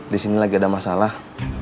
di sini lagi ada masalah